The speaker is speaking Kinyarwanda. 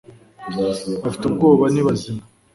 bafite ubwoba ni bazima